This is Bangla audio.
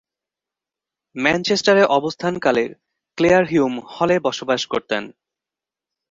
ম্যানচেস্টারে অবস্থানকালে ক্লেয়ার হিউম হলে বসবাস করতেন।